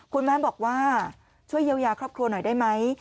คุณแม่บอกว่าช่วยเยียวยาครอบครัวหน่อยได้ไหม